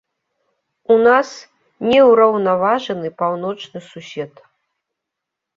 У нас неўраўнаважаны паўночны сусед.